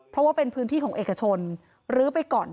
เพราะว่าเป็นพื้นที่ของเอกชนลื้อไปก่อน